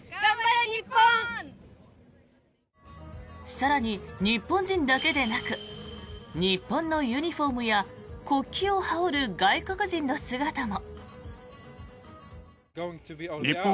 更に、日本人だけでなく日本のユニホームや国旗を羽織る外国人の姿も。